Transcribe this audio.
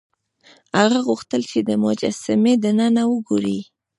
هغه غوښتل چې د مجسمې دننه وګوري.